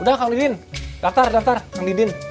udah kang lidin daftar daftar kang lidin